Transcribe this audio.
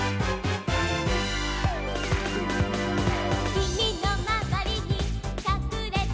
「君のまわりにかくれてる」